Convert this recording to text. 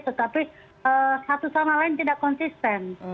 tetapi satu sama lain tidak konsisten